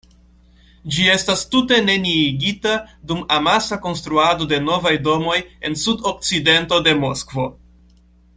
Ĝi estas tute neniigita dum amasa konstruado de novaj domoj en sud-okcidento de Moskvo.